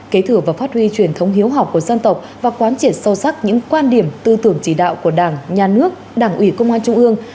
kế thừa và phát huy truyền thống hiếu học của dân tộc và quán triệt sâu sắc những quan điểm tư tưởng chỉ đạo của đảng nhà nước đảng ủy công an trung ương